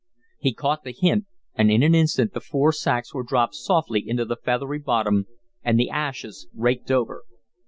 He caught the hint, and in an instant the four sacks were dropped softly into the feathery bottom and the ashes raked over.